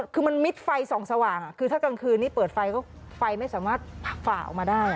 คือมันมิดไฟส่องสว่างคือถ้ากลางคืนนี้เปิดไฟก็ไฟไม่สามารถฝ่าออกมาได้